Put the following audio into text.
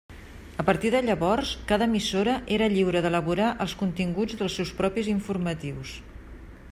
A partir de llavors cada emissora era lliure d'elaborar els continguts dels seus propis informatius.